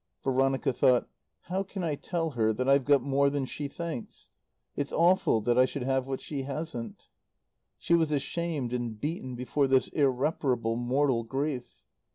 Veronica thought: "How can I tell her that I've got more than she thinks? It's awful that I should have what she hasn't." She was ashamed and beaten before this irreparable, mortal grief.